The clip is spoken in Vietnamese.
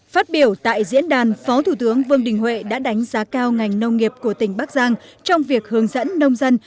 phát biểu tại diễn đàn phó thủ tướng vương đình huệ đã đánh giá cao ngành nông nghiệp của tỉnh bắc giang trong việc hướng dẫn nông dân